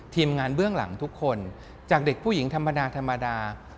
ทีมงานเบื้องหลังทุกคนจากเด็กผู้หญิงธรรมดาธรรมดา